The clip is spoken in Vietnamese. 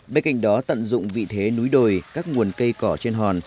bên cạnh đó tận dụng vị thế núi đồi các nguồn cây cỏ trên hòn